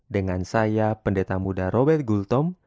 dengan saya pendeta muda robert gultom